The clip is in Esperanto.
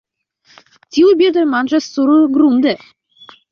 Tiuj birdoj manĝas surgrunde.